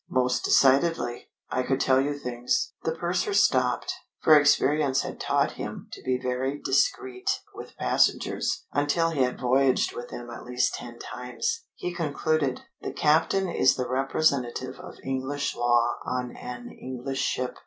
"Most decidedly. I could tell you things " The purser stopped, for experience had taught him to be very discreet with passengers until he had voyaged with them at least ten times. He concluded: "The captain is the representative of English law on an English ship."